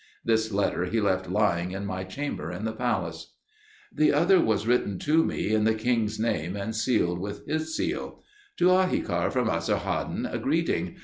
This letter he left lying in my chamber in the palace. The other was written to me in the king's name, and sealed with his seal, "To Ahikar from Esarhaddon, greeting!